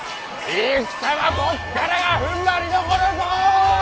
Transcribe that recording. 戦はこっからがふんばりどころぞ！